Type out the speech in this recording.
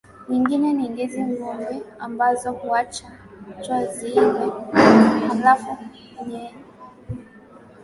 nyingine ni ndizi ngombe ambazo huachwa ziive halafu humenywa na kutumiwa kutengenezea pombe maarufu